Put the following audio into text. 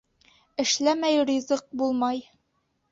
Эшләмәй ризыҡ булмай.